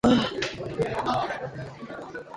She has not boxed ever since.